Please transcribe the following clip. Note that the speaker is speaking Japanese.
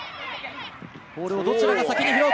ボールをどちらが先に拾うか？